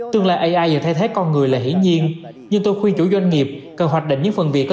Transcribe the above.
tương lai ai và thay thế con người là hỷ nhiên nhưng tôi khuyên chủ doanh nghiệp cần hoạch định những